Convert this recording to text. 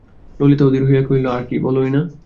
ললিতা অধীর হইয়া কহিল, আর কী, বলোই-না।